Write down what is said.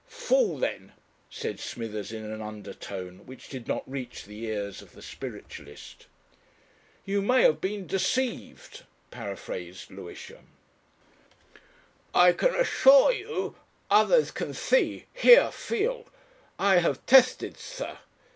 "Fool, then," said Smithers in an undertone which did not reach the ears of the spiritualist. "You may have been deceived," paraphrased Lewisham. "I can assure you ... others can see, hear, feel. I have tested, sir.